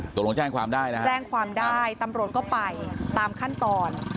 ตกลงแจ้งความได้นะแจ้งความได้ตำรวจก็ไปตามขั้นตอน